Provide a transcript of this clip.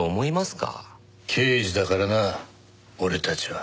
刑事だからな俺たちは。